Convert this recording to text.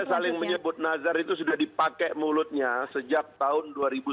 nggak ada saling menyebut nazar itu sudah dipakai mulutnya sejak tahun dua ribu sepuluh